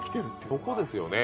そこですよね。